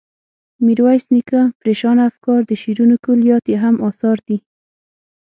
میرویس نیکه، پریشانه افکار، د شعرونو کلیات یې هم اثار دي.